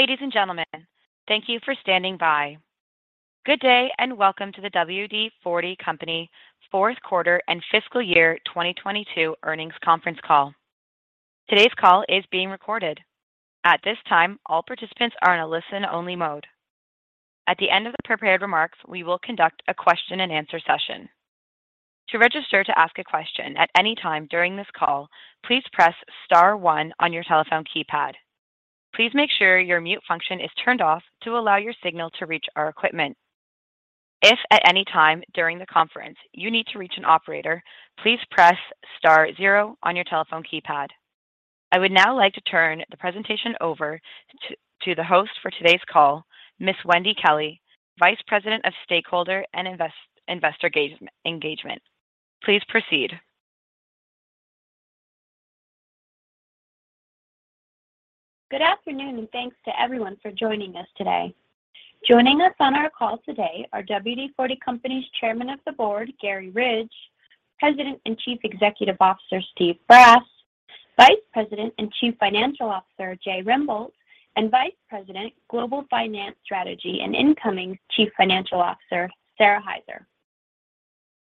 Ladies and gentlemen, thank you for standing by. Good day and welcome to the WD-40 Company fourth quarter and fiscal year 2022 earnings conference call. Today's call is being recorded. At this time, all participants are in a listen-only mode. At the end of the prepared remarks, we will conduct a question-and-answer session. To register to ask a question at any time during this call, please press star one on your telephone keypad. Please make sure your mute function is turned off to allow your signal to reach our equipment. If at any time during the conference you need to reach an operator, please press star zero on your telephone keypad. I would now like to turn the presentation over to the host for today's call, Ms. Wendy Kelley, Vice President of Stakeholder and Investor Engagement. Please proceed. Good afternoon, and thanks to everyone for joining us today. Joining us on our call today are WD-40 Company's Chairman of the Board, Garry Ridge; President and Chief Executive Officer, Steve Brass; Vice President and Chief Financial Officer, Jay Rembolt; and Vice President, Global Finance Strategy and incoming Chief Financial Officer, Sara Hyzer.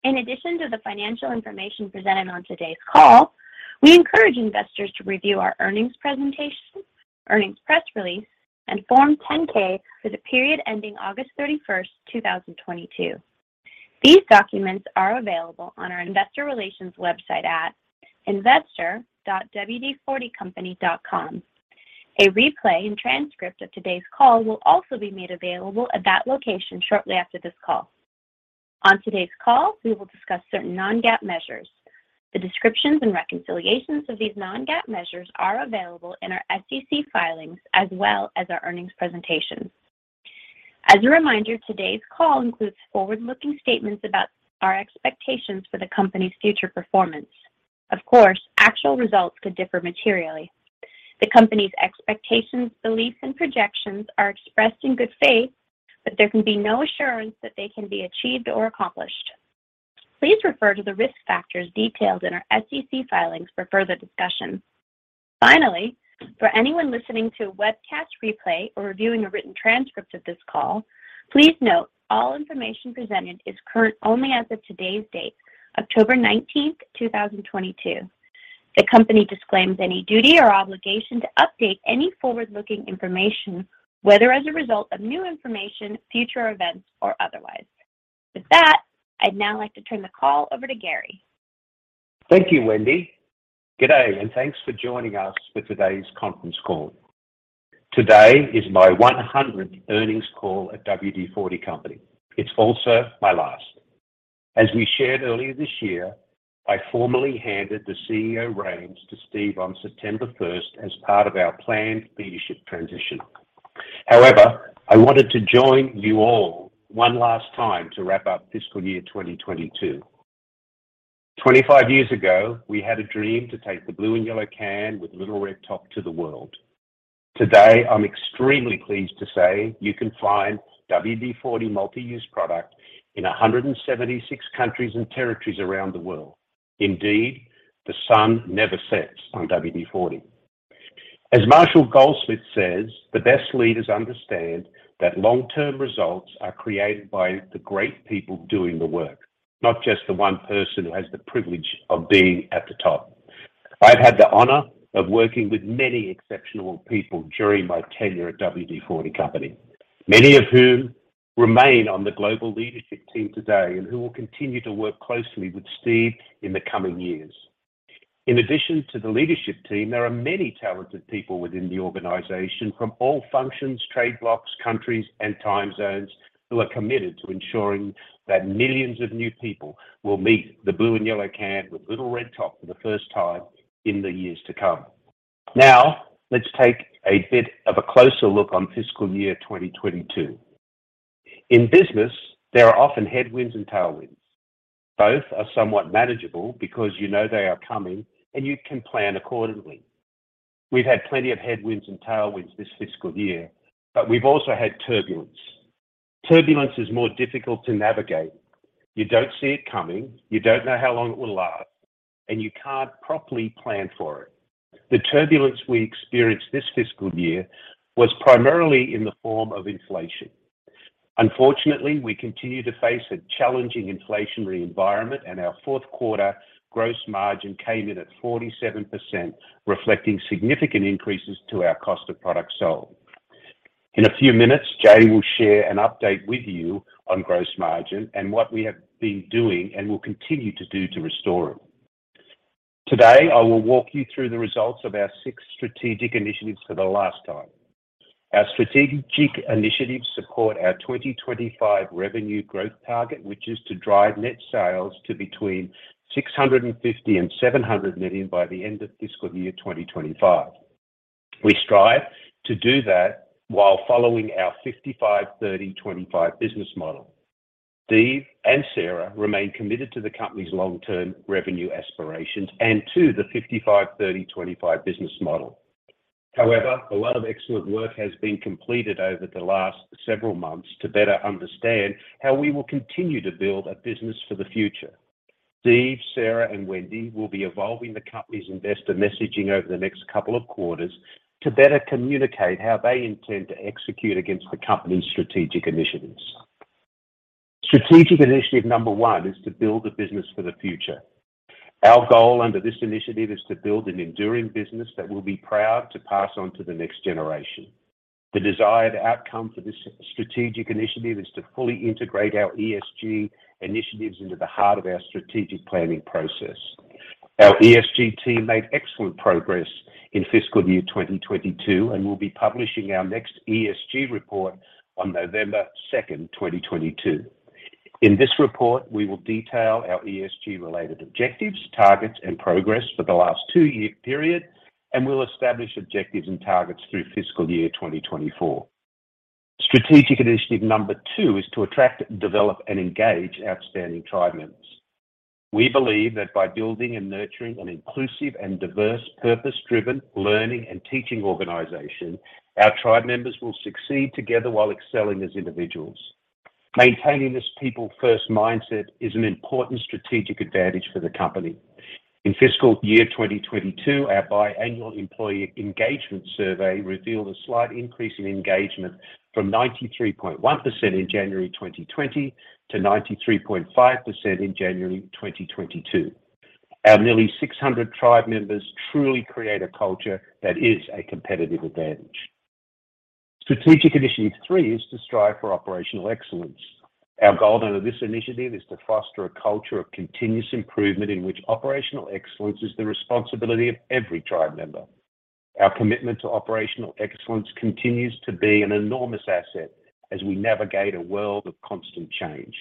In addition to the financial information presented on today's call, we encourage investors to review our earnings presentation, earnings press release, and Form 10-K for the period ending August 31, 2022. These documents are available on our investor relations website at investor.wd40company.com. A replay and transcript of today's call will also be made available at that location shortly after this call. On today's call, we will discuss certain non-GAAP measures. The descriptions and reconciliations of these non-GAAP measures are available in our SEC filings as well as our earnings presentation. As a reminder, today's call includes forward-looking statements about our expectations for the company's future performance. Of course, actual results could differ materially. The company's expectations, beliefs, and projections are expressed in good faith, but there can be no assurance that they can be achieved or accomplished. Please refer to the risk factors detailed in our SEC filings for further discussion. Finally, for anyone listening to a webcast replay or reviewing a written transcript of this call, please note all information presented is current only as of today's date, October 19th, 2022. The company disclaims any duty or obligation to update any forward-looking information, whether as a result of new information, future events, or otherwise. With that, I'd now like to turn the call over to Garry. Thank you, Wendy. Good day, and thanks for joining us for today's conference call. Today is my 100th earnings call at WD-40 Company. It's also my last. As we shared earlier this year, I formally handed the CEO reins to Steve on September first as part of our planned leadership transition. However, I wanted to join you all one last time to wrap up fiscal year 2022. 25 years ago, we had a dream to take the blue and yellow can with little red top to the world. Today, I'm extremely pleased to say you can find WD-40 Multi-Use Product in 176 countries and territories around the world. Indeed, the sun never sets on WD-40. As Marshall Goldsmith says, the best leaders understand that long-term results are created by the great people doing the work, not just the one person who has the privilege of being at the top. I've had the honor of working with many exceptional people during my tenure at WD-40 Company, many of whom remain on the global leadership team today and who will continue to work closely with Steve in the coming years. In addition to the leadership team, there are many talented people within the organization from all functions, trade blocs, countries, and time zones who are committed to ensuring that millions of new people will meet the blue and yellow can with little red top for the first time in the years to come. Now, let's take a bit of a closer look on fiscal year 2022. In business, there are often headwinds and tailwinds. Both are somewhat manageable because you know they are coming, and you can plan accordingly. We've had plenty of headwinds and tailwinds this fiscal year, but we've also had turbulence. Turbulence is more difficult to navigate. You don't see it coming, you don't know how long it will last, and you can't properly plan for it. The turbulence we experienced this fiscal year was primarily in the form of inflation. Unfortunately, we continue to face a challenging inflationary environment, and our fourth quarter gross margin came in at 47%, reflecting significant increases to our cost of products sold. In a few minutes, Jay will share an update with you on gross margin and what we have been doing and will continue to do to restore it. Today, I will walk you through the results of our six strategic initiatives for the last time. Our strategic initiatives support our 2025 revenue growth target, which is to drive net sales to between $650 million and $700 million by the end of fiscal year 2025. We strive to do that while following our 55/30/25 business model. Steve and Sara remain committed to the company's long-term revenue aspirations and to the 55/30/25 business model. However, a lot of excellent work has been completed over the last several months to better understand how we will continue to build a business for the future. Steve, Sara, and Wendy will be evolving the company's investor messaging over the next couple of quarters to better communicate how they intend to execute against the company's strategic initiatives. Strategic initiative number one is to build a business for the future. Our goal under this initiative is to build an enduring business that we'll be proud to pass on to the next generation. The desired outcome for this strategic initiative is to fully integrate our ESG initiatives into the heart of our strategic planning process. Our ESG team made excellent progress in fiscal year 2022, and we'll be publishing our next ESG report on November second, 2022. In this report, we will detail our ESG-related objectives, targets, and progress for the last two-year period, and we'll establish objectives and targets through fiscal year 2024. Strategic initiative number twois to attract, develop, and engage outstanding tribe members. We believe that by building and nurturing an inclusive and diverse purpose-driven learning and teaching organization, our tribe members will succeed together while excelling as individuals. Maintaining this people-first mindset is an important strategic advantage for the company. In fiscal year 2022, our biannual employee engagement survey revealed a slight increase in engagement from 93.1% in January 2020 to 93.5% in January 2022. Our nearly 600 tribe members truly create a culture that is a competitive advantage. Strategic initiative three is to strive for operational excellence. Our goal under this initiative is to foster a culture of continuous improvement in which operational excellence is the responsibility of every tribe member. Our commitment to operational excellence continues to be an enormous asset as we navigate a world of constant change.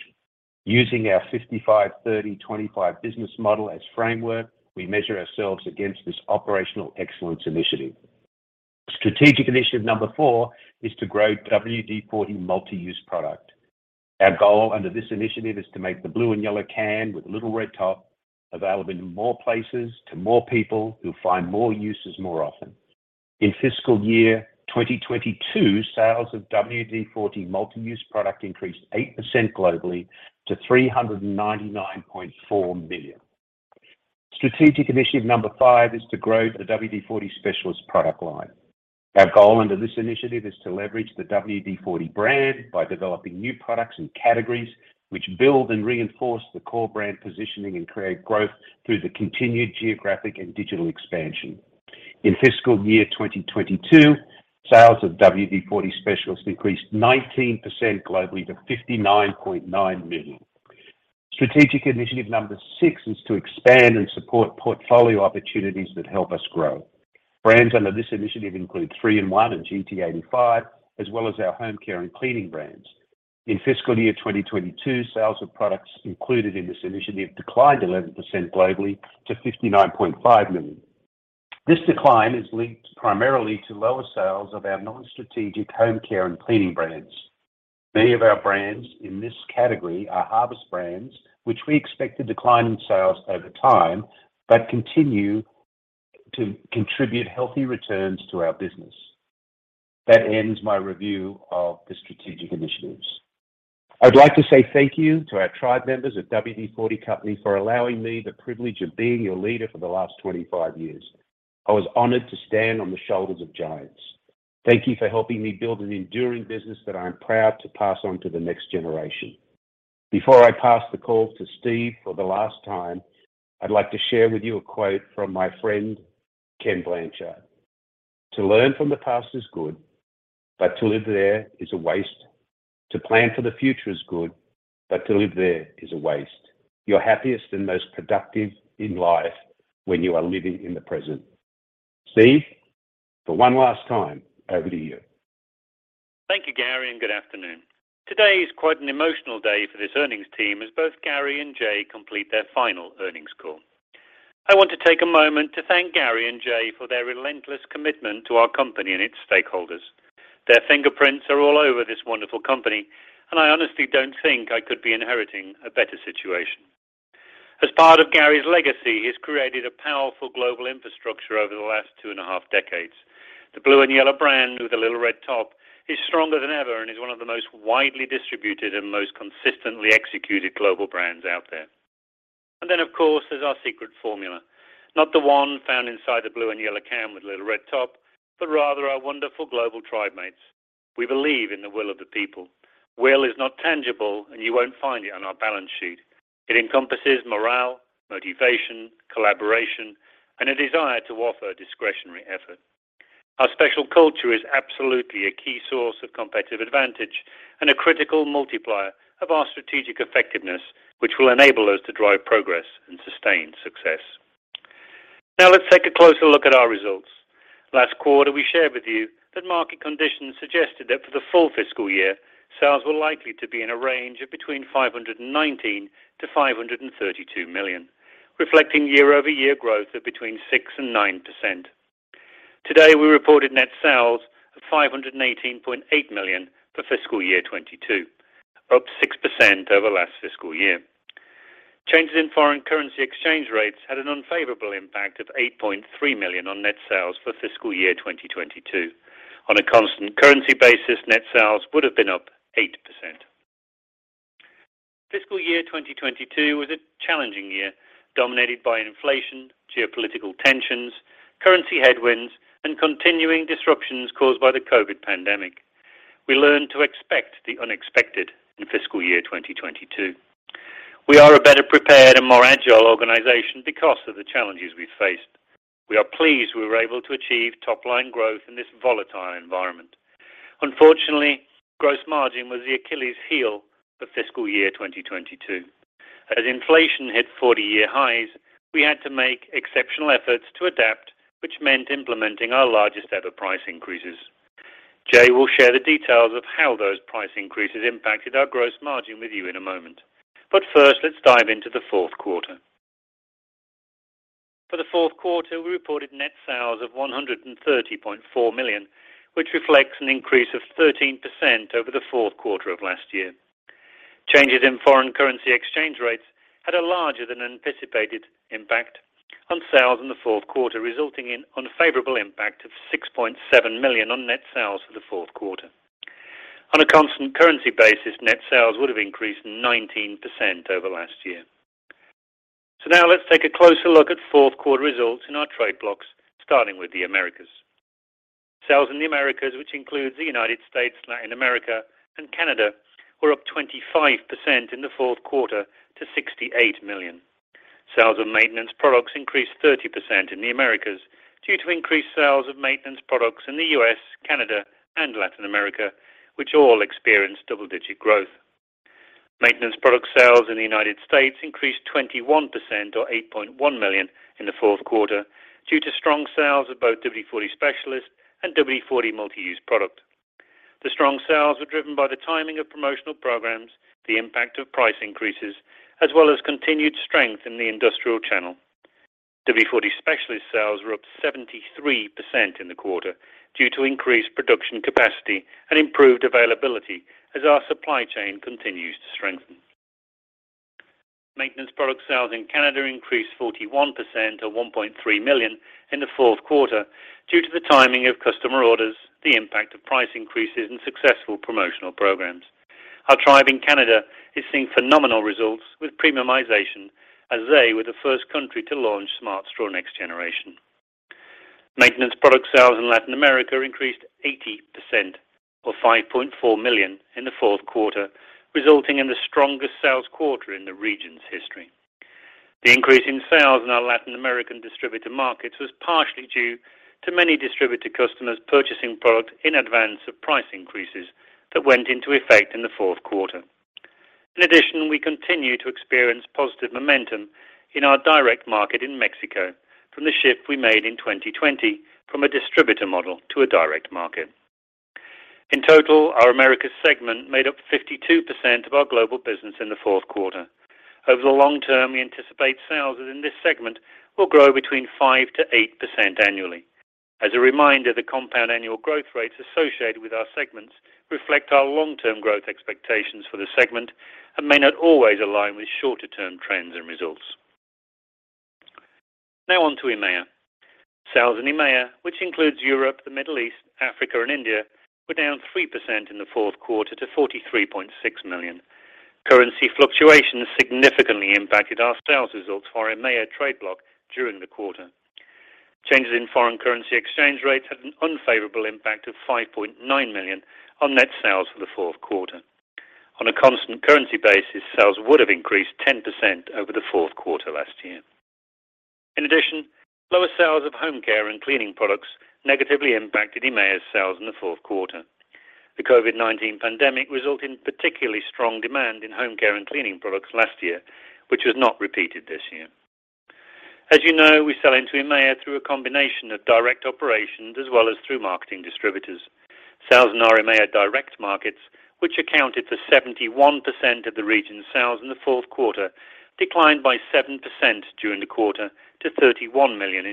Using our 55/30/25 business model as framework, we measure ourselves against this operational excellence initiative. Strategic initiative number four is to grow WD-40 Multi-Use Product. Our goal under this initiative is to make the blue and yellow can with the little red top available in more places to more people who find more uses more often. In fiscal year 2022, sales of WD-40 Multi-Use Product increased 8% globally to $399.4 million. Strategic initiative number five is to grow the WD-40 Specialist product line. Our goal under this initiative is to leverage the WD-40 brand by developing new products and categories which build and reinforce the core brand positioning and create growth through the continued geographic and digital expansion. In fiscal year 2022, sales of WD-40 Specialist increased 19% globally to $59.9 million. Strategic initiative number 6 is to expand and support portfolio opportunities that help us grow. Brands under this initiative include 3-IN-ONE and GT85, as well as our home care and cleaning brands. In fiscal year 2022, sales of products included in this initiative declined 11% globally to $59.5 million. This decline is linked primarily to lower sales of our non-strategic home care and cleaning brands. Many of our brands in this category are harvest brands, which we expect to decline in sales over time but continue to contribute healthy returns to our business. That ends my review of the strategic initiatives. I'd like to say thank you to our tribe members at WD-40 Company for allowing me the privilege of being your leader for the last 25 years. I was honored to stand on the shoulders of giants. Thank you for helping me build an enduring business that I'm proud to pass on to the next generation. Before I pass the call to Steve for the last time, I'd like to share with you a quote from my friend Ken Blanchard. "To learn from the past is good, but to live there is a waste. To plan for the future is good, but to live there is a waste. You're happiest and most productive in life when you are living in the present." Steve, for one last time, over to you. Thank you, Garry, and good afternoon. Today is quite an emotional day for this earnings team as both Garry and Jay complete their final earnings call. I want to take a moment to thank Garry and Jay for their relentless commitment to our company and its stakeholders. Their fingerprints are all over this wonderful company, and I honestly don't think I could be inheriting a better situation. As part of Garry's legacy, he's created a powerful global infrastructure over the last two and a half decades. The blue and yellow brand with a little red top is stronger than ever and is one of the most widely distributed and most consistently executed global brands out there. Of course, there's our secret formula. Not the one found inside the blue and yellow can with a little red top, but rather our wonderful global tribe mates. We believe in the will of the people. Will is not tangible, and you won't find it on our balance sheet. It encompasses morale, motivation, collaboration, and a desire to offer discretionary effort. Our special culture is absolutely a key source of competitive advantage and a critical multiplier of our strategic effectiveness, which will enable us to drive progress and sustain success. Now let's take a closer look at our results. Last quarter, we shared with you that market conditions suggested that for the full fiscal year, sales were likely to be in a range of between $519 million and $532 million, reflecting year-over-year growth of between 6% and 9%. Today, we reported net sales of $518.8 million for fiscal year 2022, up 6% over last fiscal year. Changes in foreign currency exchange rates had an unfavorable impact of $8.3 million on net sales for fiscal year 2022. On a constant currency basis, net sales would have been up 8%. Fiscal year 2022 was a challenging year, dominated by inflation, geopolitical tensions, currency headwinds, and continuing disruptions caused by the COVID pandemic. We learned to expect the unexpected in fiscal year 2022. We are a better prepared and more agile organization because of the challenges we faced. We are pleased we were able to achieve top-line growth in this volatile environment. Unfortunately, gross margin was the Achilles heel for fiscal year 2022. As inflation hit 40-year highs, we had to make exceptional efforts to adapt, which meant implementing our largest ever price increases. Jay will share the details of how those price increases impacted our gross margin with you in a moment. First, let's dive into the fourth quarter. For the fourth quarter, we reported net sales of $130.4 million, which reflects an increase of 13% over the fourth quarter of last year. Changes in foreign currency exchange rates had a larger than anticipated impact on sales in the fourth quarter, resulting in unfavorable impact of $6.7 million on net sales for the fourth quarter. On a constant currency basis, net sales would have increased 19% over last year. Now let's take a closer look at fourth quarter results in our trade blocks, starting with the Americas. Sales in the Americas, which includes the United States, Latin America, and Canada, were up 25% in the fourth quarter to $68 million. Sales of maintenance products increased 30% in the Americas due to increased sales of maintenance products in the U.S., Canada, and Latin America, which all experienced double-digit growth. Maintenance product sales in the United States increased 21%, or $8.1 million in the fourth quarter, due to strong sales of both WD-40 Specialist and WD-40 Multi-Use Product. The strong sales were driven by the timing of promotional programs, the impact of price increases, as well as continued strength in the industrial channel. WD-40 Specialist sales were up 73% in the quarter due to increased production capacity and improved availability as our supply chain continues to strengthen. Maintenance product sales in Canada increased 41% to $1.3 million in the fourth quarter due to the timing of customer orders, the impact of price increases, and successful promotional programs. Our tribe in Canada is seeing phenomenal results with premiumization as they were the first country to launch Smart Straw Next Generation. Maintenance product sales in Latin America increased 80%, or $5.4 million in the fourth quarter, resulting in the strongest sales quarter in the region's history. The increase in sales in our Latin American distributor markets was partially due to many distributor customers purchasing product in advance of price increases that went into effect in the fourth quarter. In addition, we continue to experience positive momentum in our direct market in Mexico from the shift we made in 2020 from a distributor model to a direct market. In total, our Americas segment made up 52% of our global business in the fourth quarter. Over the long term, we anticipate sales in this segment will grow between 5%-8% annually. As a reminder, the compound annual growth rates associated with our segments reflect our long-term growth expectations for the segment and may not always align with shorter-term trends and results. Now on to EMEA. Sales in EMEA, which includes Europe, the Middle East, Africa, and India, were down 3% in the fourth quarter to $43.6 million. Currency fluctuations significantly impacted our sales results for our EMEA trade block during the quarter. Changes in foreign currency exchange rates had an unfavorable impact of $5.9 million on net sales for the fourth quarter. On a constant currency basis, sales would have increased 10% over the fourth quarter last year. In addition, lower sales of home care and cleaning products negatively impacted EMEA's sales in the fourth quarter. The COVID-19 pandemic resulted in particularly strong demand in home care and cleaning products last year, which was not repeated this year. As you know, we sell into EMEA through a combination of direct operations as well as through marketing distributors. Sales in our EMEA direct markets, which accounted for 71% of the region's sales in the fourth quarter, declined by 7% during the quarter to $31 million.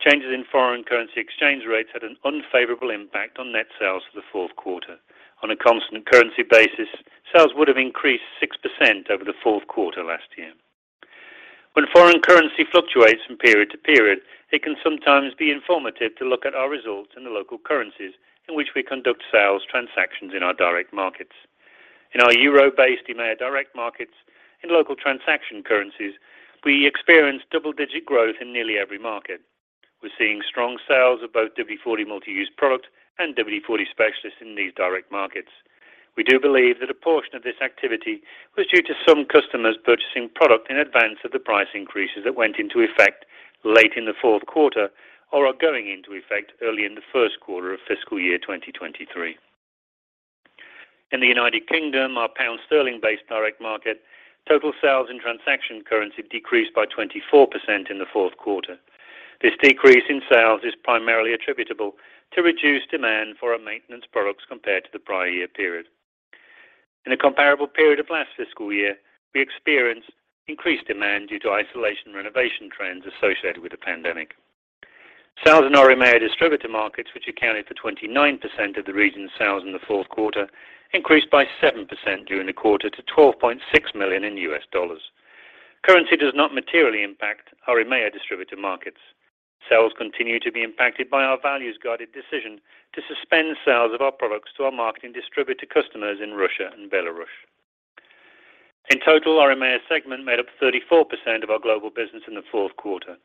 Changes in foreign currency exchange rates had an unfavorable impact on net sales for the fourth quarter. On a constant currency basis, sales would have increased 6% over the fourth quarter last year. When foreign currency fluctuates from period to period, it can sometimes be informative to look at our results in the local currencies in which we conduct sales transactions in our direct markets. In our euro-based EMEA direct markets in local transaction currencies, we experienced double-digit growth in nearly every market. We're seeing strong sales of both WD-40 Multi-Use Product and WD-40 Specialist in these direct markets. We do believe that a portion of this activity was due to some customers purchasing product in advance of the price increases that went into effect late in the fourth quarter or are going into effect early in the first quarter of fiscal year 2023. In the United Kingdom, our pound sterling-based direct market, total sales in transaction currency decreased by 24% in the fourth quarter. This decrease in sales is primarily attributable to reduced demand for our maintenance products compared to the prior year period. In a comparable period of last fiscal year, we experienced increased demand due to isolation renovation trends associated with the pandemic. Sales in our EMEA distributor markets, which accounted for 29% of the region's sales in the fourth quarter, increased by 7% during the quarter to $12.6 million. Currency does not materially impact our EMEA distributor markets. Sales continue to be impacted by our values-guided decision to suspend sales of our products to our marketing distributor customers in Russia and Belarus. In total, our EMEA segment made up 34% of our global business in the fourth quarter.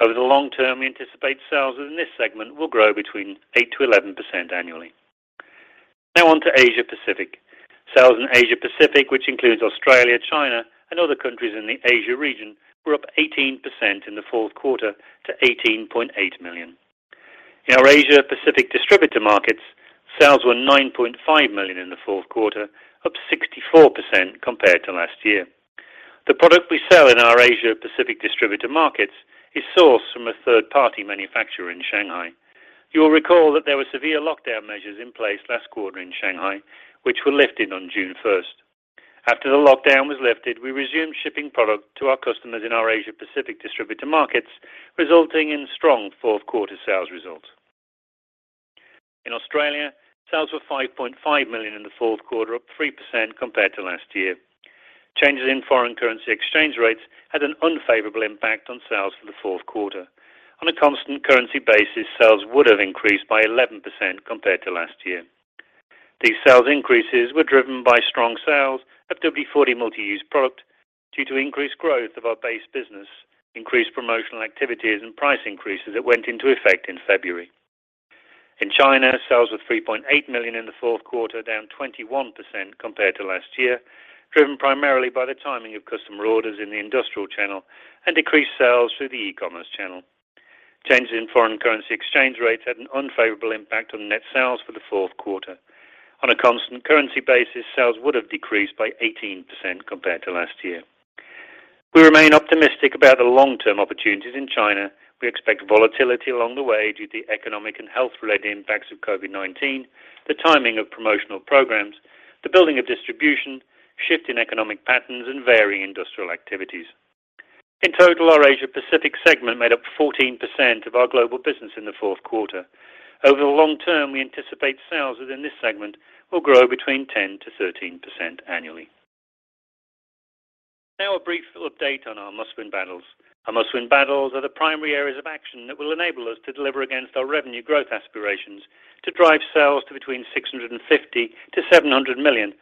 Over the long term, we anticipate sales within this segment will grow between 8%-11% annually. Now on to Asia Pacific. Sales in Asia Pacific, which includes Australia, China, and other countries in the Asia region, were up 18% in the fourth quarter to $18.8 million. In our Asia Pacific distributor markets, sales were $9.5 million in the fourth quarter, up 64% compared to last year. The product we sell in our Asia Pacific distributor markets is sourced from a third-party manufacturer in Shanghai. You will recall that there were severe lockdown measures in place last quarter in Shanghai, which were lifted on June first. After the lockdown was lifted, we resumed shipping product to our customers in our Asia Pacific distributor markets, resulting in strong fourth quarter sales results. In Australia, sales were $5.5 million in the fourth quarter, up 3% compared to last year. Changes in foreign currency exchange rates had an unfavorable impact on sales for the fourth quarter. On a constant currency basis, sales would have increased by 11% compared to last year. These sales increases were driven by strong sales of WD-40 Multi-Use Product due to increased growth of our base business, increased promotional activities, and price increases that went into effect in February. In China, sales were $3.8 million in the fourth quarter, down 21% compared to last year, driven primarily by the timing of customer orders in the industrial channel and decreased sales through the e-commerce channel. Changes in foreign currency exchange rates had an unfavorable impact on net sales for the fourth quarter. On a constant currency basis, sales would have decreased by 18% compared to last year. We remain optimistic about the long-term opportunities in China. We expect volatility along the way due to economic and health-related impacts of COVID-19, the timing of promotional programs, the building of distribution, shift in economic patterns, and varying industrial activities. In total, our Asia Pacific segment made up 14% of our global business in the fourth quarter. Over the long term, we anticipate sales within this segment will grow between 10%-13% annually. Now a brief update on our Must-Win Battles. Our Must-Win Battles are the primary areas of action that will enable us to deliver against our revenue growth aspirations to drive sales to between $650 million-$700 million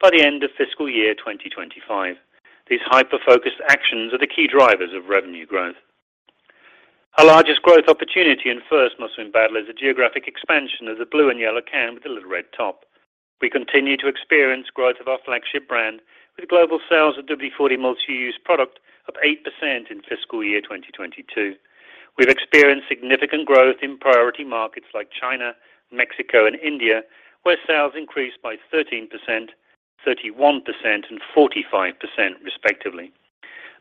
by the end of fiscal year 2025. These hyper-focused actions are the key drivers of revenue growth. Our largest growth opportunity and first Must-Win Battle is the geographic expansion of the blue and yellow can with a little red top. We continue to experience growth of our flagship brand with global sales of WD-40 Multi-Use Product up 8% in fiscal year 2022. We've experienced significant growth in priority markets like China, Mexico, and India, where sales increased by 13%, 31%, and 45% respectively.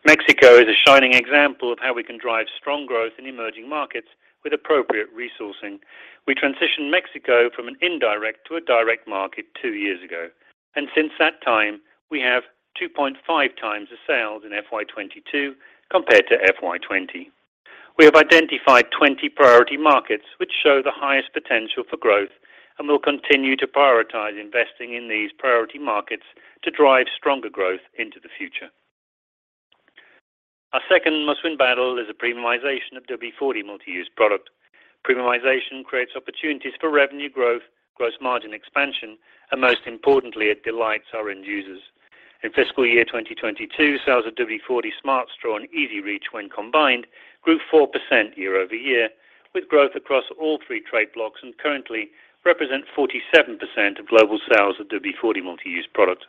Mexico is a shining example of how we can drive strong growth in emerging markets with appropriate resourcing. We transitioned Mexico from an indirect to a direct market two years ago, and since that time, we have 2.5x the sales in FY 2022 compared to FY 2020. We have identified 20 priority markets which show the highest potential for growth and will continue to prioritize investing in these priority markets to drive stronger growth into the future. Our second Must-Win Battle is the premiumization of WD-40 Multi-Use Product. Premiumization creates opportunities for revenue growth, gross margin expansion, and most importantly, it delights our end users. In fiscal year 2022, sales of WD-40 Smart Straw and EZ-Reach when combined grew 4% year-over-year with growth across all three trade blocks and currently represent 47% of global sales of WD-40 Multi-Use Product.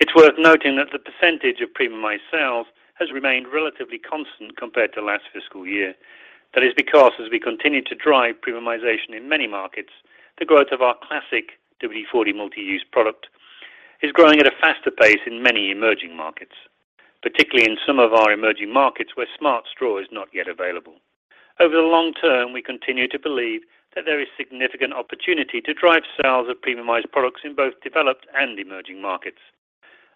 It's worth noting that the percentage of premiumized sales has remained relatively constant compared to last fiscal year. That is because as we continue to drive premiumization in many markets, the growth of our classic WD-40 Multi-Use Product is growing at a faster pace in many emerging markets, particularly in some of our emerging markets where Smart Straw is not yet available. Over the long term, we continue to believe that there is significant opportunity to drive sales of premiumized products in both developed and emerging markets.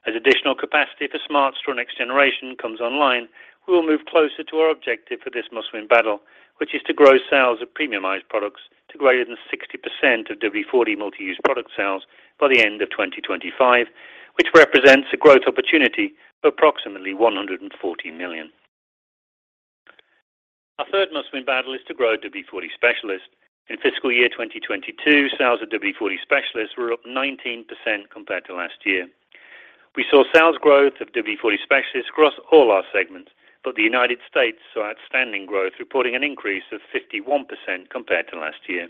As additional capacity for Smart Straw Next Generation comes online, we will move closer to our objective for this Must-Win Battle, which is to grow sales of premiumized products to greater than 60% of WD-40 Multi-Use Product sales by the end of 2025, which represents a growth opportunity of approximately $140 million. Our third Must-Win Battle is to grow WD-40 Specialist. In fiscal year 2022, sales of WD-40 Specialist were up 19% compared to last year. We saw sales growth of WD-40 Specialist across all our segments, but the United States saw outstanding growth, reporting an increase of 51% compared to last year.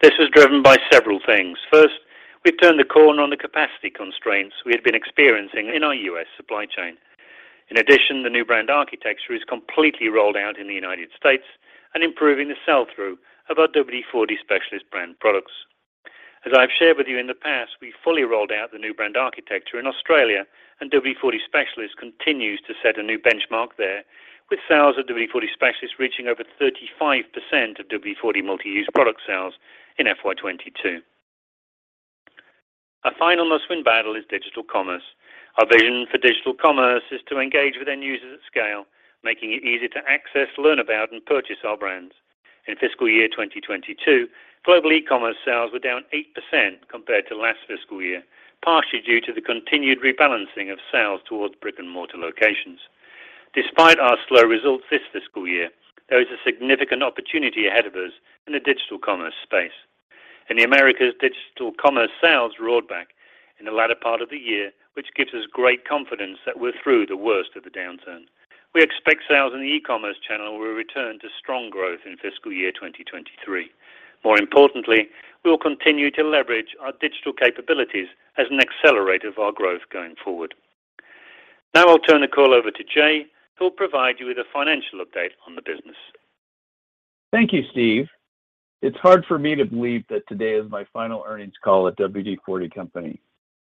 This was driven by several things. First, we've turned the corner on the capacity constraints we had been experiencing in our U.S. supply chain. In addition, the new brand architecture is completely rolled out in the United States and improving the sell-through of our WD-40 Specialist brand products. As I've shared with you in the past, we fully rolled out the new brand architecture in Australia, and WD-40 Specialist continues to set a new benchmark there with sales of WD-40 Specialist reaching over 35% of WD-40 Multi-Use Product sales in FY 2022. Our final Must-Win Battle is digital commerce. Our vision for digital commerce is to engage with end users at scale, making it easy to access, learn about, and purchase our brands. In fiscal year 2022, global e-commerce sales were down 8% compared to last fiscal year, partially due to the continued rebalancing of sales towards brick-and-mortar locations. Despite our slow results this fiscal year, there is a significant opportunity ahead of us in the digital commerce space. In the Americas, digital commerce sales roared back in the latter part of the year, which gives us great confidence that we're through the worst of the downturn. We expect sales in the e-commerce channel will return to strong growth in fiscal year 2023. More importantly, we'll continue to leverage our digital capabilities as an accelerator of our growth going forward. Now I'll turn the call over to Jay, who will provide you with a financial update on the business. Thank you, Steve. It's hard for me to believe that today is my final earnings call at WD-40 Company.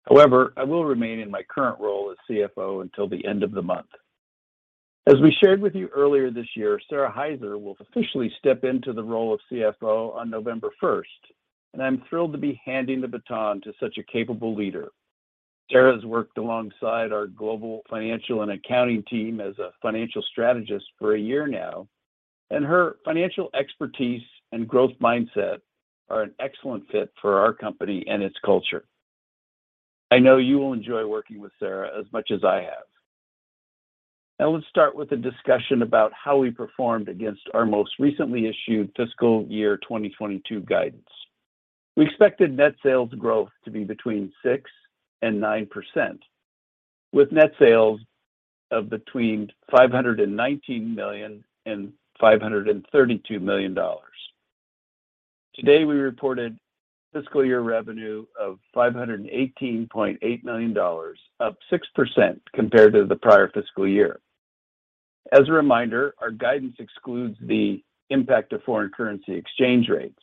However, I will remain in my current role as CFO until the end of the month. As we shared with you earlier this year, Sara Hyzer will officially step into the role of CFO on November first, and I'm thrilled to be handing the baton to such a capable leader. Sara's worked alongside our global financial and accounting team as a financial strategist for a year now, and her financial expertise and growth mindset are an excellent fit for our company and its culture. I know you will enjoy working with Sara as much as I have. Now let's start with a discussion about how we performed against our most recently issued fiscal year 2022 guidance. We expected net sales growth to be between 6% and 9%, with net sales of between $519 million and $532 million. Today, we reported fiscal year revenue of $518.8 million, up 6% compared to the prior fiscal year. As a reminder, our guidance excludes the impact of foreign currency exchange rates.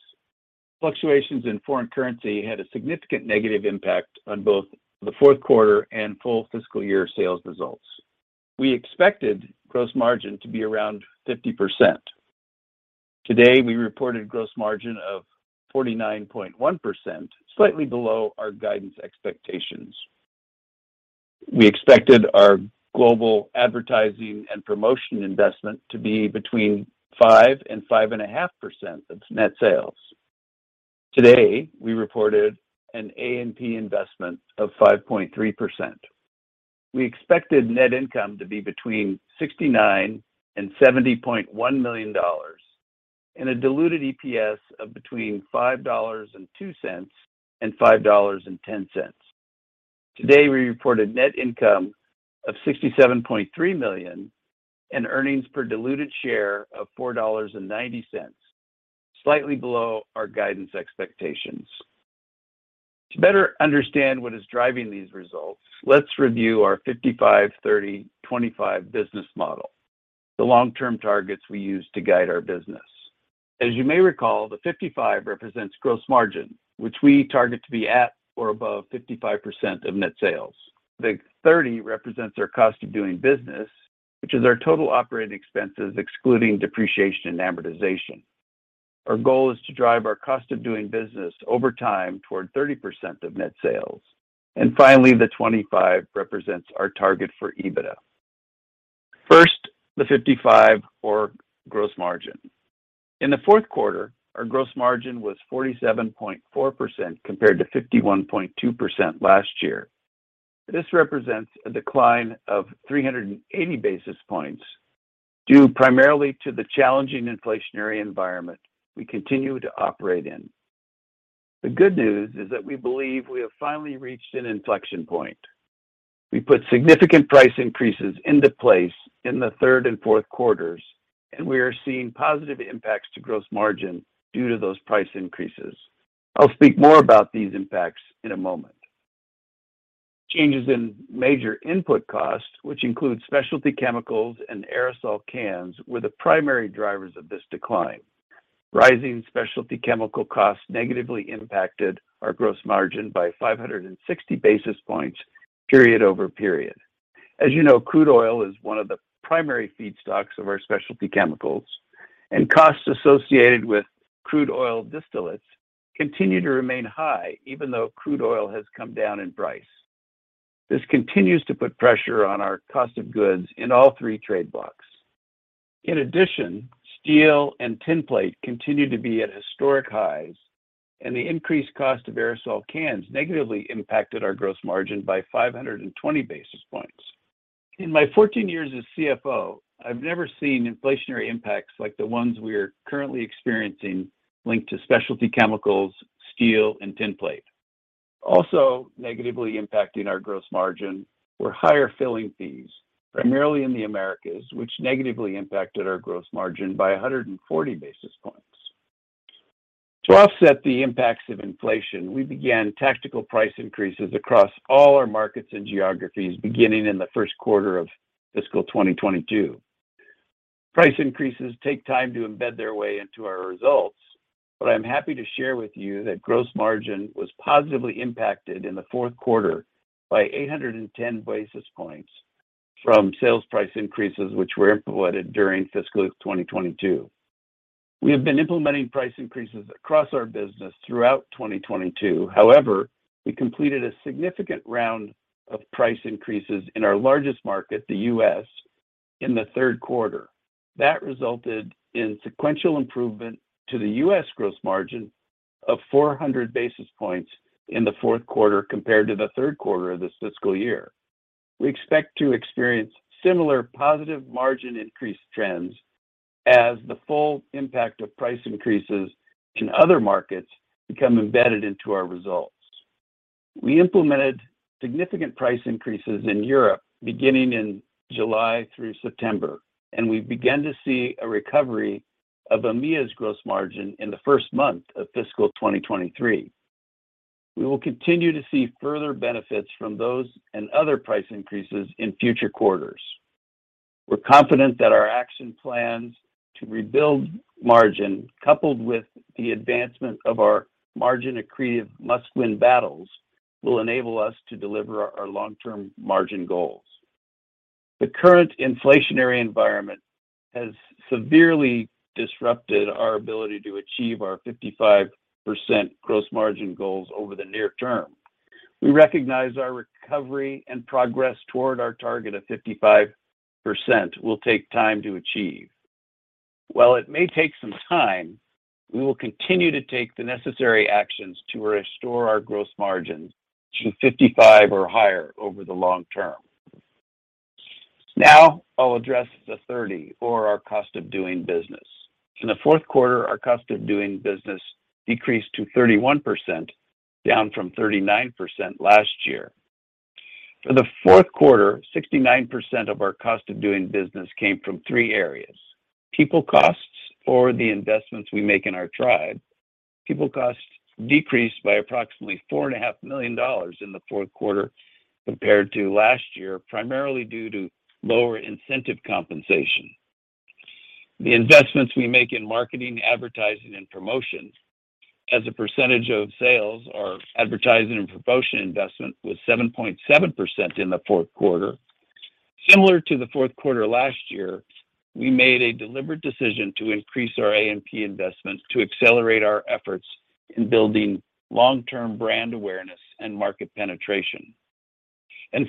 Fluctuations in foreign currency had a significant negative impact on both the fourth quarter and full fiscal year sales results. We expected gross margin to be around 50%. Today, we reported gross margin of 49.1%, slightly below our guidance expectations. We expected our global advertising and promotion investment to be between 5% and 5.5% of net sales. Today, we reported an A&P investment of 5.3%. We expected net income to be between $69 million and $70.1 million, and a diluted EPS of between $5.02 and $5.10. Today, we reported net income of $67.3 million and earnings per diluted share of $4.90, slightly below our guidance expectations. To better understand what is driving these results, let's review our 55/30/25 business model, the long-term targets we use to guide our business. As you may recall, the 55 represents gross margin, which we target to be at or above 55% of net sales. The 30 represents our cost of doing business, which is our total operating expenses excluding depreciation and amortization. Our goal is to drive our cost of doing business over time toward 30% of net sales. Finally, the 25 represents our target for EBITDA. First, the 55%, our gross margin. In the fourth quarter, our gross margin was 47.4% compared to 51.2% last year. This represents a decline of 380 basis points due primarily to the challenging inflationary environment we continue to operate in. The good news is that we believe we have finally reached an inflection point. We put significant price increases into place in the third and fourth quarters, and we are seeing positive impacts to gross margin due to those price increases. I'll speak more about these impacts in a moment. Changes in major input costs, which include specialty chemicals and aerosol cans, were the primary drivers of this decline. Rising specialty chemical costs negatively impacted our gross margin by 560 basis points period over period. As you know, crude oil is one of the primary feedstocks of our specialty chemicals, and costs associated with crude oil distillates continue to remain high even though crude oil has come down in price. This continues to put pressure on our cost of goods in all three trade blocks. In addition, steel and tin plate continue to be at historic highs, and the increased cost of aerosol cans negatively impacted our gross margin by 520 basis points. In my 14 years as CFO, I've never seen inflationary impacts like the ones we are currently experiencing linked to specialty chemicals, steel, and tin plate. Also negatively impacting our gross margin were higher filling fees, primarily in the Americas, which negatively impacted our gross margin by 140 basis points. To offset the impacts of inflation, we began tactical price increases across all our markets and geographies beginning in the first quarter of fiscal 2022. Price increases take time to embed their way into our results, but I'm happy to share with you that gross margin was positively impacted in the fourth quarter by 810 basis points from sales price increases which were implemented during fiscal 2022. We have been implementing price increases across our business throughout 2022. However, we completed a significant round of price increases in our largest market, the U.S. in the third quarter. That resulted in sequential improvement to the U.S. gross margin of 400 basis points in the fourth quarter compared to the third quarter of this fiscal year. We expect to experience similar positive margin increase trends as the full impact of price increases in other markets become embedded into our results. We implemented significant price increases in Europe beginning in July through September, and we began to see a recovery of EMEA's gross margin in the first month of fiscal 2023. We will continue to see further benefits from those and other price increases in future quarters. We're confident that our action plans to rebuild margin, coupled with the advancement of our margin-accretive Must-Win Battles, will enable us to deliver our long-term margin goals. The current inflationary environment has severely disrupted our ability to achieve our 55% gross margin goals over the near term. We recognize our recovery and progress toward our target of 55% will take time to achieve. While it may take some time, we will continue to take the necessary actions to restore our gross margins to 55% or higher over the long term. Now I'll address the 30%, or our cost of doing business. In the fourth quarter, our cost of doing business decreased to 31%, down from 39% last year. For the fourth quarter, 69% of our cost of doing business came from three areas. People costs, or the investments we make in our tribe. People costs decreased by approximately $4.5 million in the fourth quarter compared to last year, primarily due to lower incentive compensation. The investments we make in marketing, advertising, and promotion. As a percentage of sales, our advertising and promotion investment was 7.7% in the fourth quarter. Similar to the fourth quarter last year, we made a deliberate decision to increase our A&P investments to accelerate our efforts in building long-term brand awareness and market penetration.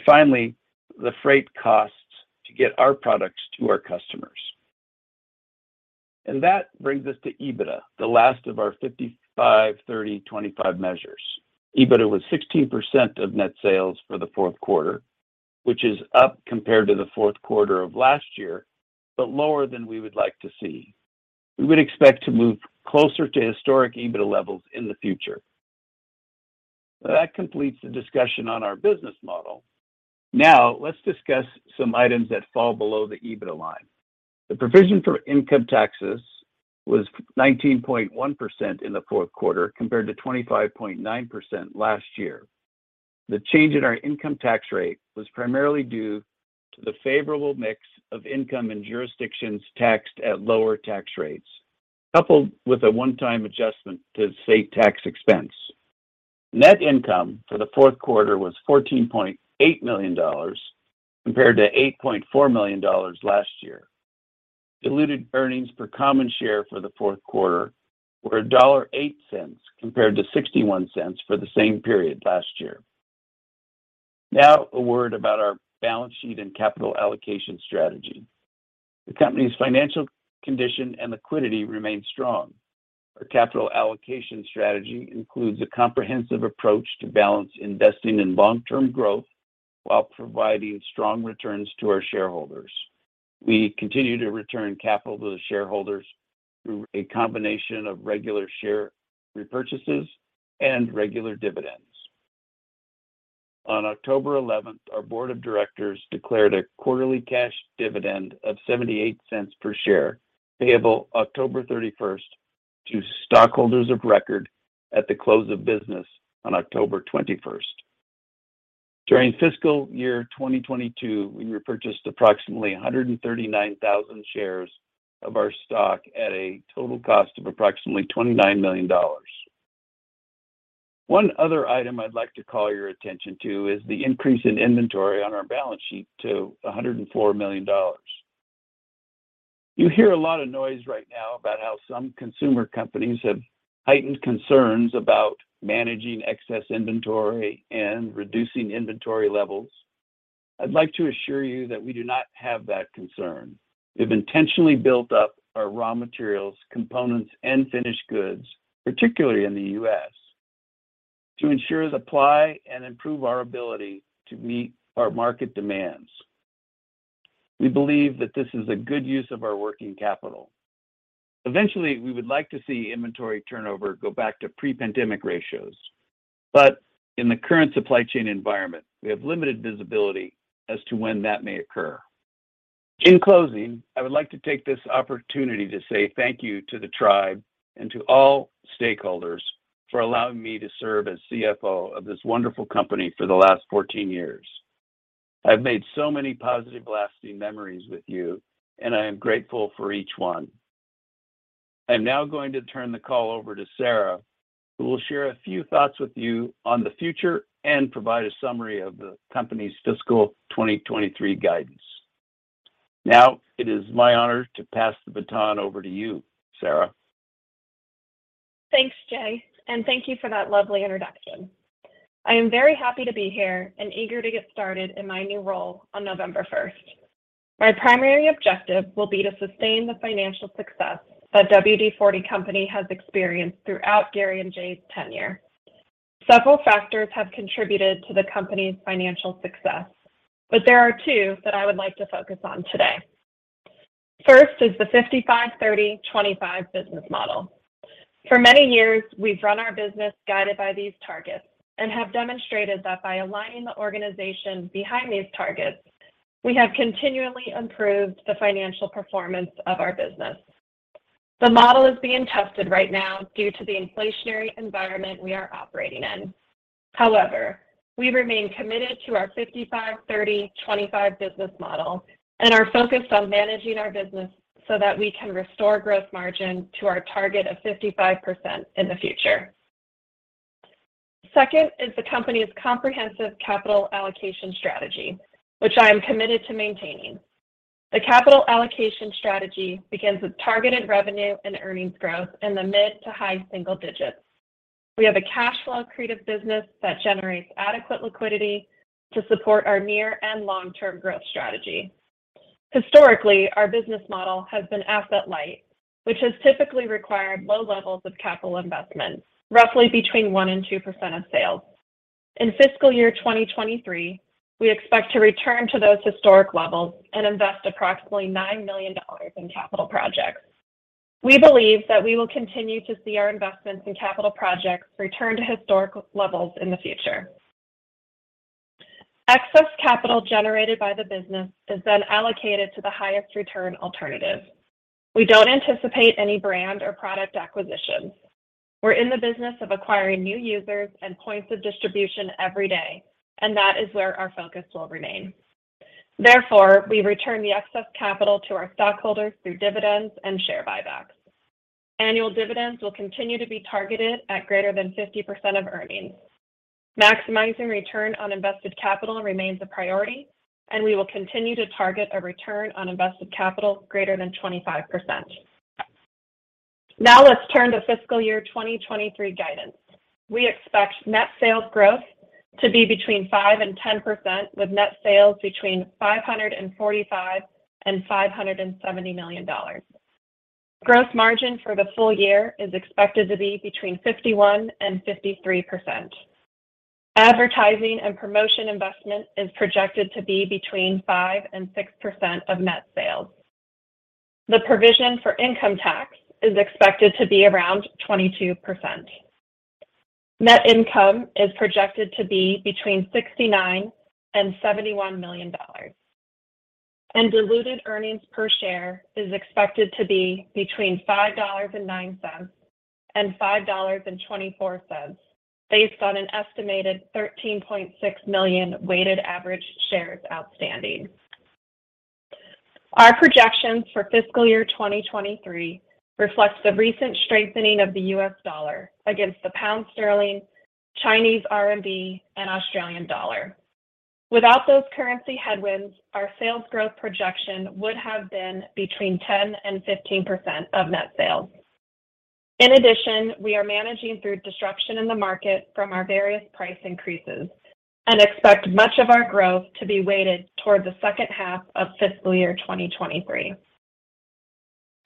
Finally, the freight costs to get our products to our customers. That brings us to EBITDA, the last of our 55, 30, 25 measures. EBITDA was 16% of net sales for the fourth quarter, which is up compared to the fourth quarter of last year, but lower than we would like to see. We would expect to move closer to historic EBITDA levels in the future. That completes the discussion on our business model. Now let's discuss some items that fall below the EBITDA line. The provision for income taxes was 19.1% in the fourth quarter compared to 25.9% last year. The change in our income tax rate was primarily due to the favorable mix of income and jurisdictions taxed at lower tax rates, coupled with a one-time adjustment to state tax expense. Net income for the fourth quarter was $14.8 million compared to $8.4 million last year. Diluted earnings per common share for the fourth quarter were $1.08 compared to $0.61 for the same period last year. Now a word about our balance sheet and capital allocation strategy. The company's financial condition and liquidity remain strong. Our capital allocation strategy includes a comprehensive approach to balance investing in long-term growth while providing strong returns to our shareholders. We continue to return capital to the shareholders through a combination of regular share repurchases and regular dividends. On October 11th, our board of directors declared a quarterly cash dividend of $0.78 per share, payable October 31st to stockholders of record at the close of business on October 21st. During fiscal year 2022, we repurchased approximately 139,000 shares of our stock at a total cost of approximately $29 million. One other item I'd like to call your attention to is the increase in inventory on our balance sheet to $104 million. You hear a lot of noise right now about how some consumer companies have heightened concerns about managing excess inventory and reducing inventory levels. I'd like to assure you that we do not have that concern. We've intentionally built up our raw materials, components, and finished goods, particularly in the U.S., to ensure supply and improve our ability to meet our market demands. We believe that this is a good use of our working capital. Eventually, we would like to see inventory turnover go back to pre-pandemic ratios. In the current supply chain environment, we have limited visibility as to when that may occur. In closing, I would like to take this opportunity to say thank you to the tribe and to all stakeholders for allowing me to serve as CFO of this wonderful company for the last 14 years. I've made so many positive, lasting memories with you, and I am grateful for each one. I'm now going to turn the call over to Sara, who will share a few thoughts with you on the future and provide a summary of the company's fiscal 2023 guidance. Now it is my honor to pass the baton over to you, Sara. Thanks, Jay, and thank you for that lovely introduction. I am very happy to be here and eager to get started in my new role on November first. My primary objective will be to sustain the financial success that WD-40 Company has experienced throughout Garry and Jay's tenure. Several factors have contributed to the company's financial success, but there are two that I would like to focus on today. First is the 55/30/25 business model. For many years, we've run our business guided by these targets and have demonstrated that by aligning the organization behind these targets, we have continually improved the financial performance of our business. The model is being tested right now due to the inflationary environment we are operating in. However, we remain committed to our 55/30/25 business model and are focused on managing our business so that we can restore gross margin to our target of 55% in the future. Second is the company's comprehensive capital allocation strategy, which I am committed to maintaining. The capital allocation strategy begins with targeted revenue and earnings growth in the mid- to high-single digits. We have a cash generative business that generates adequate liquidity to support our near- and long-term growth strategy. Historically, our business model has been asset light, which has typically required low levels of capital investment, roughly between 1% and 2% of sales. In fiscal year 2023, we expect to return to those historic levels and invest approximately $9 million in capital projects. We believe that we will continue to see our investments in capital projects return to historical levels in the future. Excess capital generated by the business is then allocated to the highest return alternative. We don't anticipate any brand or product acquisitions. We're in the business of acquiring new users and points of distribution every day, and that is where our focus will remain. Therefore, we return the excess capital to our stockholders through dividends and share buybacks. Annual dividends will continue to be targeted at greater than 50% of earnings. Maximizing return on invested capital remains a priority, and we will continue to target a return on invested capital greater than 25%. Now let's turn to fiscal year 2023 guidance. We expect net sales growth to be between 5%-10%, with net sales between $545 million-$570 million. Gross margin for the full year is expected to be between 51%-53%. Advertising and promotion investment is projected to be between 5%-6% of net sales. The provision for income tax is expected to be around 22%. Net income is projected to be between $69 million-$71 million, and diluted earnings per share is expected to be between $5.09 and $5.24 based on an estimated 13.6 million weighted average shares outstanding. Our projections for fiscal year 2023 reflects the recent strengthening of the U.S. dollar against the pound sterling, Chinese RMB, and Australian dollar. Without those currency headwinds, our sales growth projection would have been between 10% and 15% of net sales. In addition, we are managing through disruption in the market from our various price increases and expect much of our growth to be weighted towards the second half of fiscal year 2023.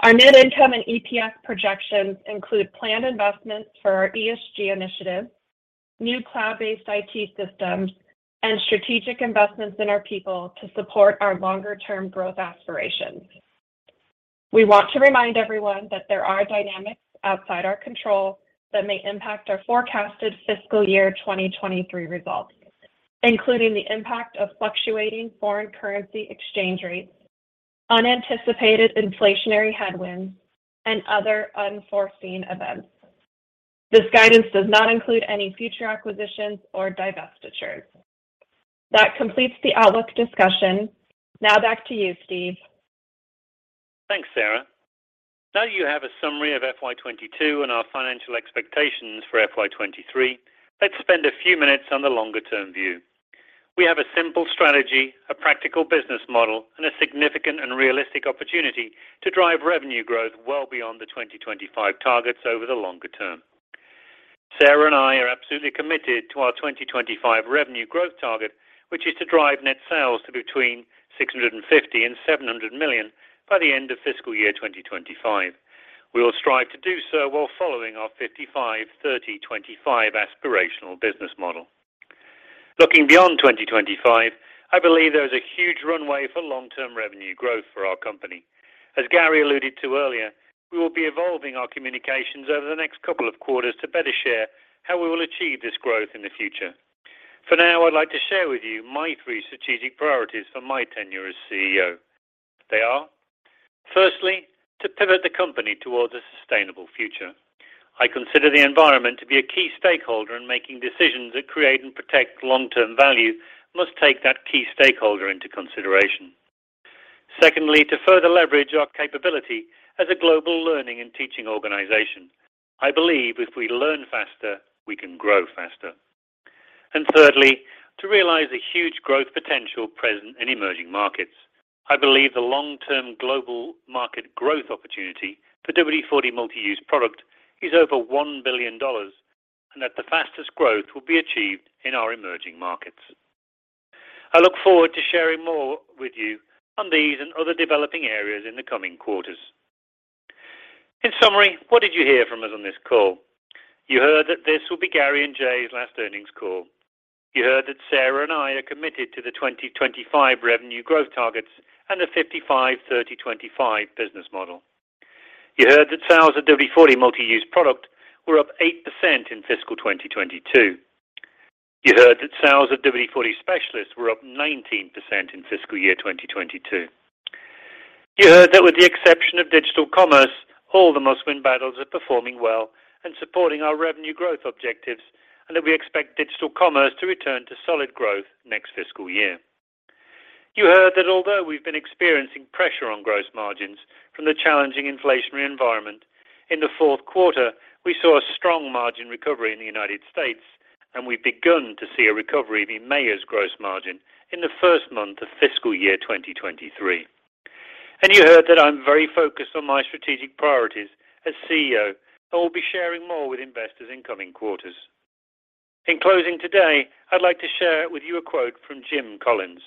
Our net income and EPS projections include planned investments for our ESG initiatives, new cloud-based IT systems, and strategic investments in our people to support our longer-term growth aspirations. We want to remind everyone that there are dynamics outside our control that may impact our forecasted fiscal year 2023 results, including the impact of fluctuating foreign currency exchange rates, unanticipated inflationary headwinds, and other unforeseen events. This guidance does not include any future acquisitions or divestitures. That completes the outlook discussion. Now back to you, Steve. Thanks, Sara Hyzer. Now that you have a summary of FY 2022 and our financial expectations for FY 2023, let's spend a few minutes on the longer-term view. We have a simple strategy, a practical business model, and a significant and realistic opportunity to drive revenue growth well beyond the 2025 targets over the longer term. Sara Hyzer and I are absolutely committed to our 2025 revenue growth target, which is to drive net sales to between $650 million and $700 million by the end of fiscal year 2025. We will strive to do so while following our 55/30/25 aspirational business model. Looking beyond 2025, I believe there is a huge runway for long-term revenue growth for our company. As Garry alluded to earlier, we will be evolving our communications over the next couple of quarters to better share how we will achieve this growth in the future. For now, I'd like to share with you my three strategic priorities for my tenure as CEO. They are, firstly, to pivot the company towards a sustainable future. I consider the environment to be a key stakeholder in making decisions that create and protect long-term value, must take that key stakeholder into consideration. Secondly, to further leverage our capability as a global learning and teaching organization, I believe if we learn faster, we can grow faster. Thirdly, to realize the huge growth potential present in emerging markets. I believe the long-term global market growth opportunity for WD-40 Multi-Use Product is over $1 billion and that the fastest growth will be achieved in our emerging markets. I look forward to sharing more with you on these and other developing areas in the coming quarters. In summary, what did you hear from us on this call? You heard that this will be Garry and Jay's last earnings call. You heard that Sara and I are committed to the 2025 revenue growth targets and the 55/30/25 business model. You heard that sales at WD-40 Multi-Use Product were up 8% in fiscal 2022. You heard that sales at WD-40 Specialist were up 19% in fiscal year 2022. You heard that with the exception of digital commerce, all the Must-Win Battles are performing well and supporting our revenue growth objectives, and that we expect digital commerce to return to solid growth next fiscal year. You heard that although we've been experiencing pressure on gross margins from the challenging inflationary environment, in the fourth quarter, we saw a strong margin recovery in the United States, and we've begun to see a recovery in EMEA's gross margin in the first month of fiscal year 2023. You heard that I'm very focused on my strategic priorities as CEO, and will be sharing more with investors in coming quarters. In closing today, I'd like to share with you a quote from Jim Collins.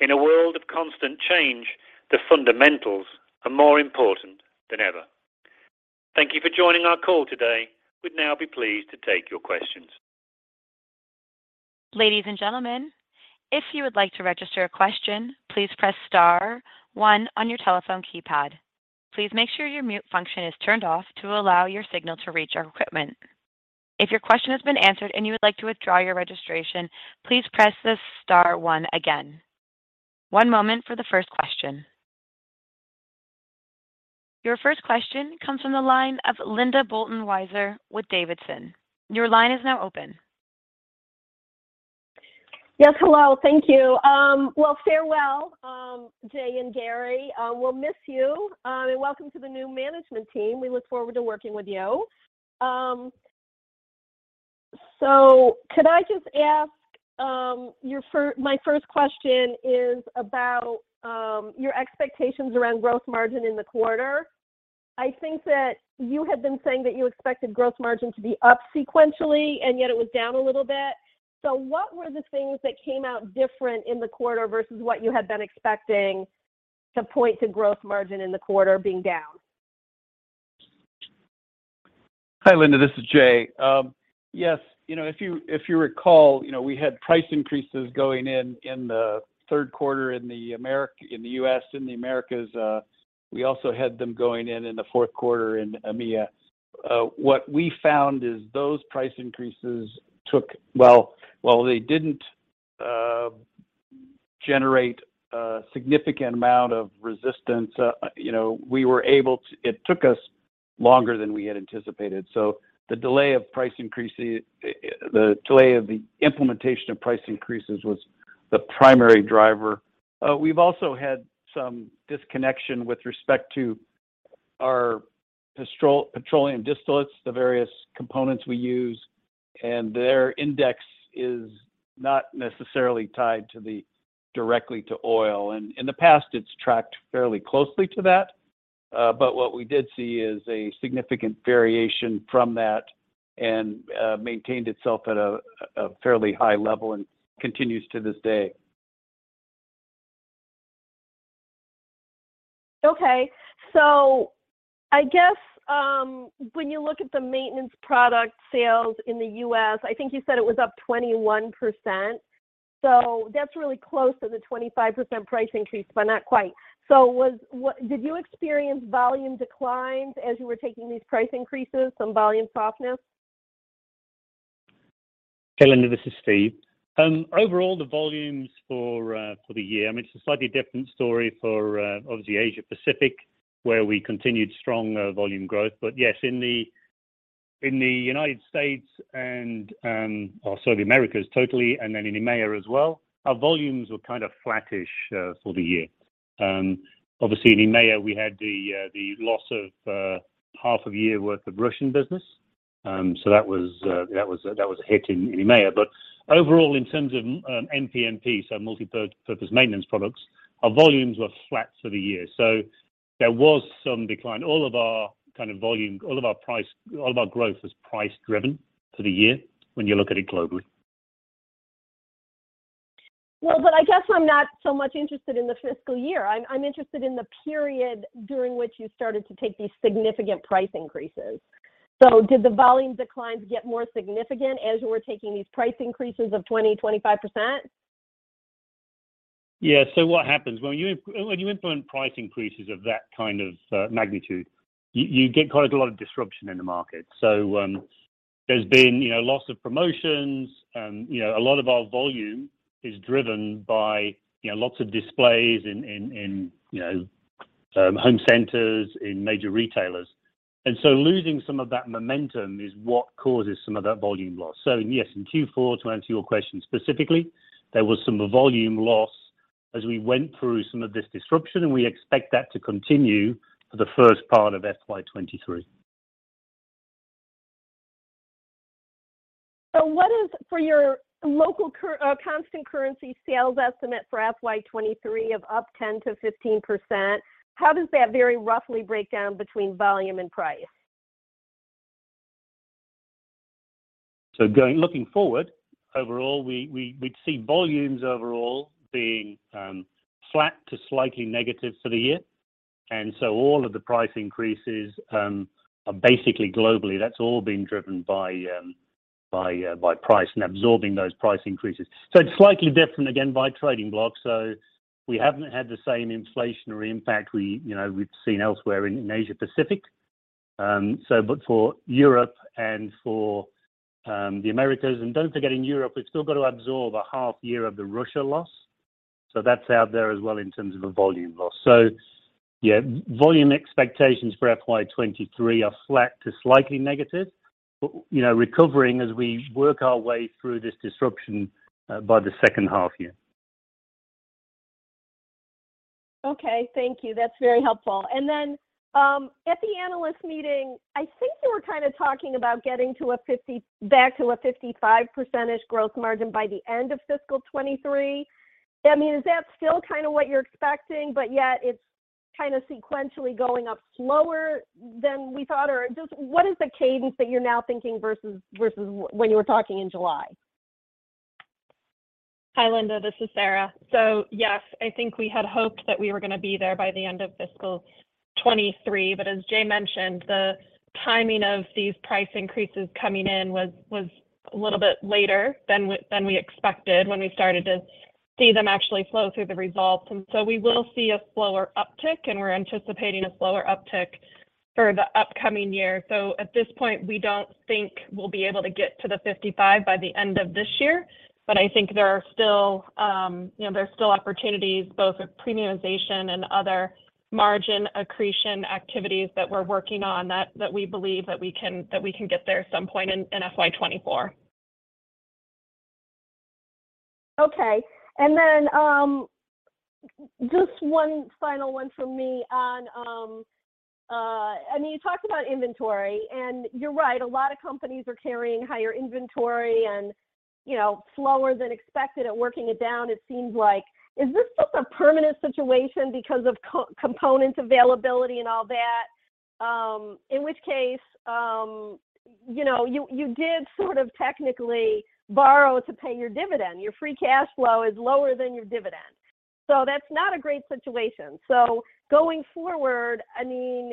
"In a world of constant change, the fundamentals are more important than ever." Thank you for joining our call today. We'd now be pleased to take your questions. Ladies and gentlemen, if you would like to register a question, please press star one on your telephone keypad. Please make sure your mute function is turned off to allow your signal to reach our equipment. If your question has been answered and you would like to withdraw your registration, please press the star one again. One moment for the first question. Your first question comes from the line of Linda Bolton-Weiser with D.A. Davidson. Your line is now open. Yes, hello. Thank you. Farewell, Jay and Garry. We'll miss you. Welcome to the new management team. We look forward to working with you. Could I just ask, my first question is about your expectations around gross margin in the quarter. I think that you had been saying that you expected gross margin to be up sequentially, and yet it was down a little bit. What were the things that came out different in the quarter versus what you had been expecting to point to gross margin in the quarter being down? Hi, Linda, this is Jay. Yes. You know, if you recall, you know, we had price increases going in in the third quarter in the U.S., in the Americas. We also had them going in in the fourth quarter in EMEA. What we found is those price increases took, while they didn't generate a significant amount of resistance, you know. It took us longer than we had anticipated. The delay of the implementation of price increases was the primary driver. We've also had some disconnection with respect to our petroleum distillates, the various components we use, and their index is not necessarily tied directly to oil. In the past, it's tracked fairly closely to that. What we did see is a significant variation from that and maintained itself at a fairly high level and continues to this day. Okay. I guess, when you look at the maintenance product sales in the U.S., I think you said it was up 21%. That's really close to the 25% price increase, but not quite. Did you experience volume declines as you were taking these price increases, some volume softness? Hey, Linda, this is Steve. Overall, the volumes for the year, I mean, it's a slightly different story for, obviously, Asia Pacific, where we continued strong volume growth. Yes, in the United States and, or sorry, the Americas totally and then in EMEA as well, our volumes were kind of flattish for the year. Obviously in EMEA, we had the loss of half a year worth of Russian business. That was a hit in EMEA. Overall, in terms of MPMP, so Multi-Purpose Maintenance Products, our volumes were flat for the year. There was some decline. All of our kind of volume, all of our price, all of our growth was price-driven for the year when you look at it globally. I guess I'm not so much interested in the fiscal year. I'm interested in the period during which you started to take these significant price increases. Did the volume declines get more significant as you were taking these price increases of 20%-25%? Yeah. What happens when you implement price increases of that kind of magnitude, you get quite a lot of disruption in the market. There's been, you know, loss of promotions. You know, a lot of our volume is driven by, you know, lots of displays in home centers, in major retailers. Losing some of that momentum is what causes some of that volume loss. Yes, in Q4, to answer your question specifically, there was some volume loss as we went through some of this disruption, and we expect that to continue for the first part of FY 2023. What is your local constant currency sales estimate for FY2023 of up 10%-15%, how does that very roughly break down between volume and price? Looking forward, overall, we'd see volumes overall being flat to slightly negative for the year. All of the price increases are basically global. That's all been driven by price and absorbing those price increases. It's slightly different again by trade blocs. We haven't had the same inflationary impact we've seen elsewhere in Asia Pacific. But for Europe and for the Americas, and don't forget in Europe, we've still got to absorb a half year of the Russia loss. That's out there as well in terms of the volume loss. Volume expectations for FY 2023 are flat to slightly negative, but recovering as we work our way through this disruption by the second half year. Okay. Thank you. That's very helpful. Then, at the analyst meeting, I think you were kinda talking about getting back to a 55% gross margin by the end of fiscal 2023. I mean, is that still kinda what you're expecting, but yet it's kinda sequentially going up slower than we thought? Or just what is the cadence that you're now thinking versus when you were talking in July? Hi, Linda. This is Sara. Yes, I think we had hoped that we were gonna be there by the end of fiscal 2023. As Jay mentioned, the timing of these price increases coming in was a little bit later than we expected when we started to see them actually flow through the results. We will see a slower uptick, and we're anticipating a slower uptick for the upcoming year. At this point, we don't think we'll be able to get to the 55 by the end of this year. I think there are still opportunities both with premiumization and other margin accretion activities that we're working on that we believe we can get there at some point in FY 2024. Okay. Just one final one from me on, I mean, you talked about inventory, and you're right. A lot of companies are carrying higher inventory and, you know, slower than expected at working it down, it seems like. Is this just a permanent situation because of component availability and all that? In which case, you know, you did sort of technically borrow to pay your dividend. Your free cash flow is lower than your dividend. That's not a great situation. Going forward, I mean,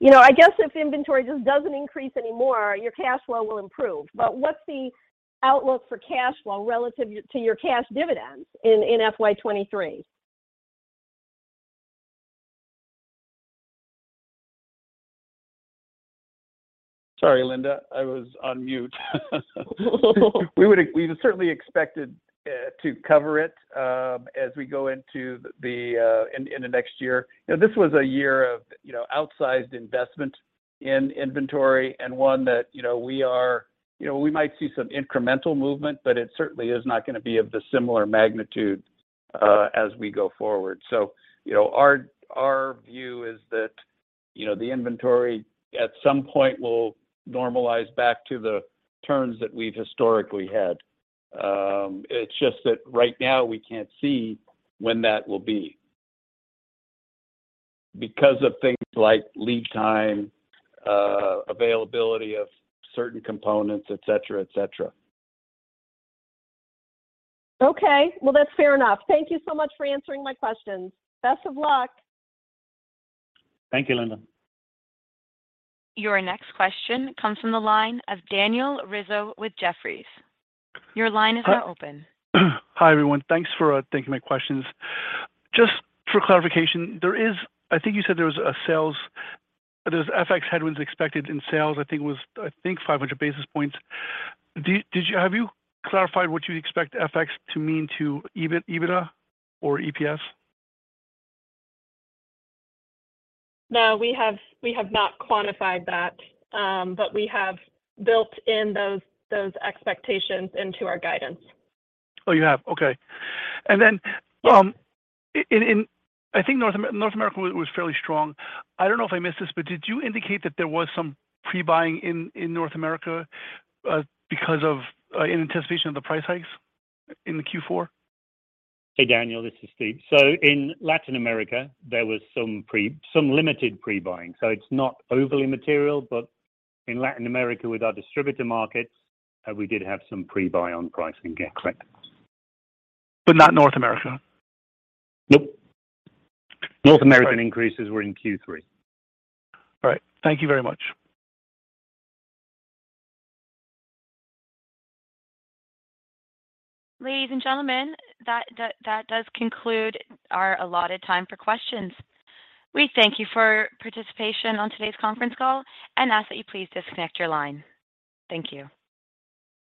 you know, I guess if inventory just doesn't increase anymore, your cash flow will improve. But what's the outlook for cash flow relative to your cash dividends in FY 2023? Sorry, Linda. I was on mute. We certainly expected to cover it as we go into the next year. You know, this was a year of outsized investment in inventory and one that you know, we might see some incremental movement, but it certainly is not gonna be of the similar magnitude as we go forward. Our view is that you know, the inventory at some point will normalize back to the terms that we've historically had. It's just that right now we can't see when that will be because of things like lead time, availability of certain components, et cetera. Okay. Well, that's fair enough. Thank you so much for answering my questions. Best of luck. Thank you, Linda. Your next question comes from the line of Daniel Rizzo with Jefferies. Your line is now open. Hi, everyone. Thanks for taking my questions. Just for clarification, I think you said there's FX headwinds expected in sales. I think it was 500 basis points. Have you clarified what you expect FX to mean to EBITDA or EPS? No, we have not quantified that, but we have built in those expectations into our guidance. Oh, you have? Okay. Then, I think North America was fairly strong. I don't know if I missed this, but did you indicate that there was some pre-buying in North America because of, in anticipation of the price hikes in the Q4? Hey, Daniel Rizzo, this is Steve Brass. In Latin America, there was some limited pre-buying, so it's not overly material. In Latin America with our distributor markets, we did have some pre-buy on price and GT85. not North America? Nope. North American increases were in Q3. All right. Thank you very much. Ladies and gentlemen, that does conclude our allotted time for questions. We thank you for participation on today's conference call and ask that you please disconnect your line. Thank you.